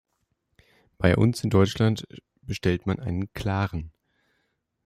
Bei uns in Deutschland bestellt man einen "Klaren".